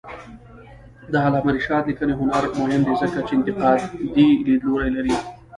د علامه رشاد لیکنی هنر مهم دی ځکه چې انتقادي لیدلوری لري.